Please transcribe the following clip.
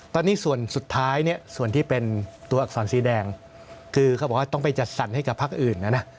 ตอนนี้ส่วนสุดท้ายเนี่ยส่วนที่เป็นตัวอักษรสีแดงคือเขาบอกว่าต้องไปจัดสรรให้กับพักอื่นนะนะ